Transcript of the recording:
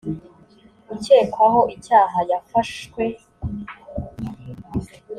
ukekwaho icyaha yafashwe.